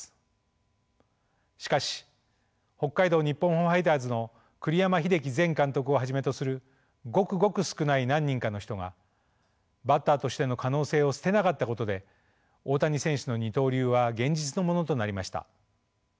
しかし北海道日本ハムファイターズの栗山英樹前監督をはじめとするごくごく少ない何人かの人がバッターとしての可能性を捨てなかったことで大谷選手の二刀流は現実のものとなりました。